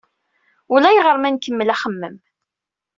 Ulayɣer ma nkemmel axemmem.